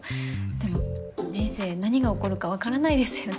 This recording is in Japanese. でも人生何が起こるかわからないですよね。